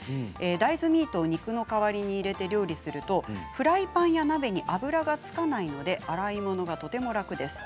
大豆ミートを肉の代わりに入れて料理するとフライパンや鍋に油がつかないので洗い物がとても楽です。